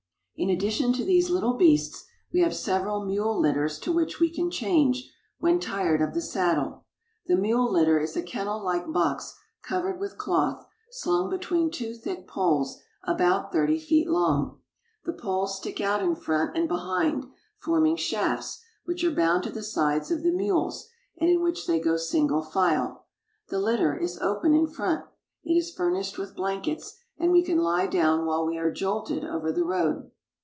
In addition to these little beasts, we have several mule litters to which we can change, when tired of the saddle. The mule litter is a kennel like box covered with cloth, slung between two thick poles about thirty feet long. The poles stick out in front and behind, forming shafts, which are bound to the sides of the mules, and in which they go single THE GREAT WALL OF CHINA 137 file. The litter is open in front. It is furnished with blank ets, and we can lie down while we are jolted over the road.